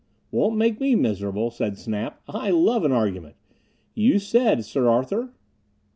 "Won't make me miserable," said Snap. "I love an argument. You said, Sir Arthur?...